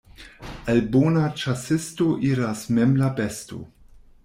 Al bona ĉasisto iras mem la besto.